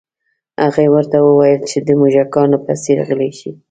هغې ورته وویل چې د موږکانو په څیر غلي شي